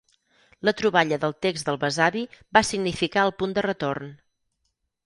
La troballa del text del besavi va significar el punt de retorn.